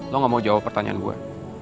lo gak mau jawab pertanyaan gue